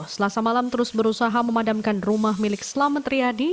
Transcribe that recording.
selasa malam terus berusaha memadamkan rumah milik selamat riyadi